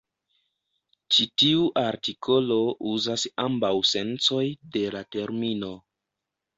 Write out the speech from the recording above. Ĉi tiu artikolo uzas ambaŭ sencoj de la termino.